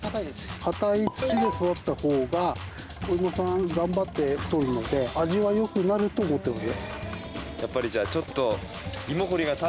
硬い土で育ったほうがお芋さんが頑張って太るので味はよくなると思ってます。